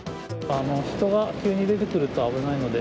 人が急に出てくると危ないので。